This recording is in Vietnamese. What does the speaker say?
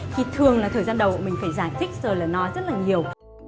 thì thường là thời gian đầu mình phải giải thích giờ là nói rất là nhiều